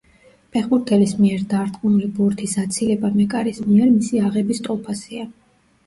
ფეხბურთელის მიერ დარტყმული ბურთის აცილება მეკარის მიერ მისი აღების ტოლფასია.